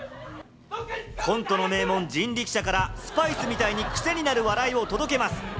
コントの名門・人力舎からスパイスみたいにクセになる笑いをお届けします。